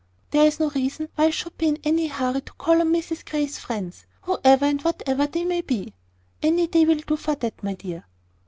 "There is no reason why I should be in any hurry to call on Mrs Grey's friends, whoever and whatever they may be. Any day will do for that, my dear."